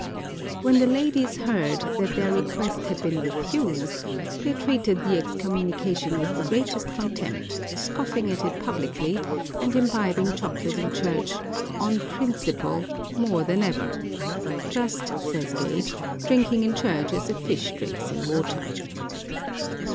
When the ladies heard that their request had been refused, they treated the excommunication with the greatest contempt, scoffing at it publicly, and imbibing chocolate in church, "on principle," more than ever ;" Just," says Gage, " drinking in church as a fish drinks in water."